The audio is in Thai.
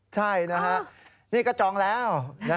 ใช่นะฮะนี่ก็จองแล้ว